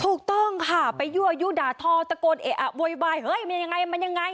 ถูกต้องค่ะไปยั่วยุด่าทอตะโกนเอะอะโวยวายเฮ้ยมันยังไงมันยังไง